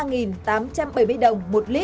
xin chào và hẹn gặp lại